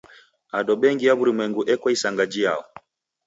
Ado bengi ya w'urumwengu eko isanga jiao?